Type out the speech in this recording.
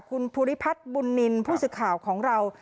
คุณภูริพัฒน์บุญนินทร์ผู้สื่อข่าวของเรา